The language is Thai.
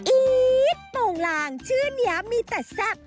ี๊ดโปรงลางชื่อนี้มีแต่แซ่บ